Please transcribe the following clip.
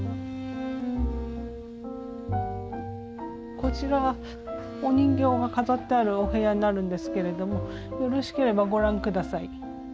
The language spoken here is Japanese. こちらはお人形が飾ってあるお部屋になるんですけれどもよろしければご覧下さい。